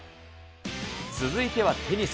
続いてはテニス。